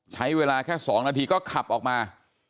ใช้เวลาแค่๒นาทีก็ขับออกมา